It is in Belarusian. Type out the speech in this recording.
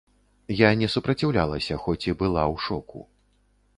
Я не супраціўлялася, хоць і была ў шоку.